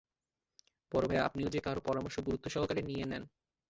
বড় ভাইয়া আপনিও যে কারও পরামর্শ গুরুত্ব সহকারে নিয়ে নেন!